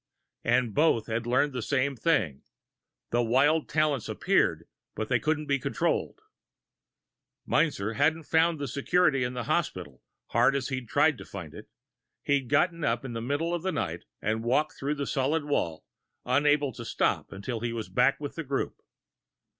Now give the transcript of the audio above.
And both had learned the same thing. The wild talents appeared, but they couldn't be controlled. Meinzer hadn't found security in the hospital, hard as he'd tried to find it. He'd gotten up in the middle of the night and walked through the solid wall, unable to stop until he was back with the group.